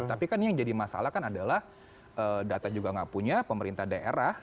tapi kan yang jadi masalah kan adalah data juga nggak punya pemerintah daerah